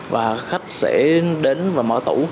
và khách sẽ đến và mở tủ